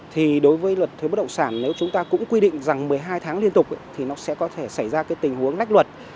thì đối với luật thuế bất động sản nếu chúng ta cũng quy định rằng một mươi hai tháng liên tục thì nó sẽ có thể xảy ra cái tình huống lách luật